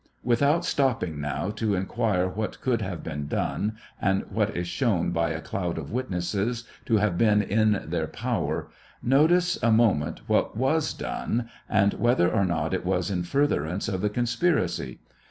Without stopping now to inquire what could have been done, and what is shown by a cloud of witnesses to have been in their power, notice a moment what was done, and whether or not it was in furtherance of the conspiracy.